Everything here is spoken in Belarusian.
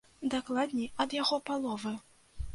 Дакладней, ад яго паловы!